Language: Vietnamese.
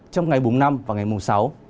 trong ngày bốn năm và ngày mùng sáu